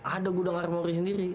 ada gudang armory sendiri